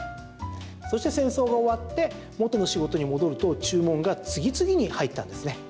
そして戦争が終わって元の仕事に戻ると注文が次々に入ったんですね。